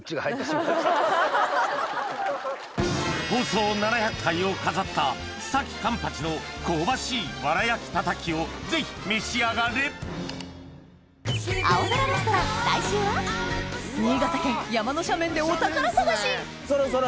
放送７００回を飾った須崎勘八の香ばしいわら焼きたたきをぜひ召し上がれ新潟県山の斜面でお宝探しそれそれ。